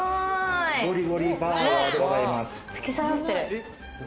ゴリゴリバーガーでございます。